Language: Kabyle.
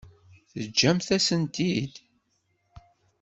Teǧǧamt-asen-t-id?